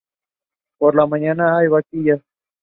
Por la mañana hay vaquillas.